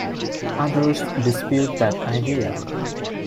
Others dispute that idea.